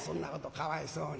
かわいそうに。